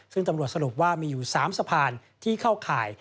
ซึ่งตำรวจสรุปว่ามีอยู่๓สะพานที่เข้าข่าย